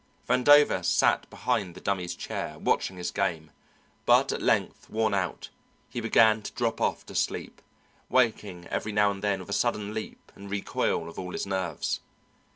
Vandover sat behind the Dummy's chair, watching his game, but at length, worn out, he began to drop off to sleep, waking every now and then with a sudden leap and recoil of all his nerves.